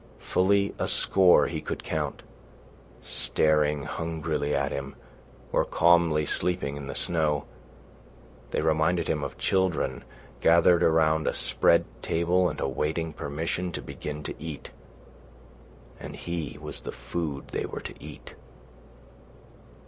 Fully a score he could count, staring hungrily at him or calmly sleeping in the snow. They reminded him of children gathered about a spread table and awaiting permission to begin to eat. And he was the food they were to eat!